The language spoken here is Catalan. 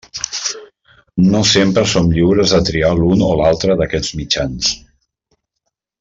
No sempre som lliures de triar l'un o l'altre d'aquests mitjans.